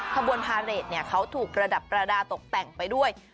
ขบวนพาเรทเขาถูกประดับประดาษตกแต่งไปด้วย